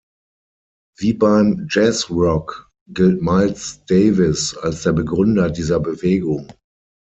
Wie beim Jazzrock gilt Miles Davis als der Begründer dieser Bewegung.